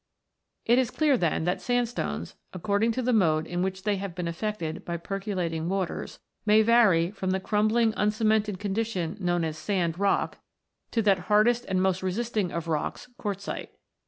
It is clear, then, that sandstones, according to the mode in which they have been affected by percolating waters, may vary from the crumbling uncemented condition, known as Sand rock, to that hardest and 66 ROCKS AND THEIR ORIGINS [CH. most resisting of rocks, quartzite.